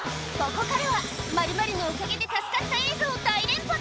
ここからは、○○のおかげで助かった映像、大連発！